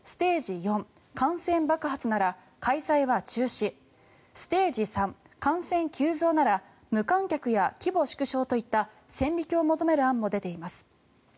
４感染爆発なら開催は中止ステージ３、感染急増なら無観客や規模縮小といった線引きを求める案も出ています。